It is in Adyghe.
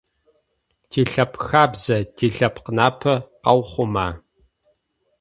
Тилъэпкъхабзэ, тилъэпкънапэ къаухъума?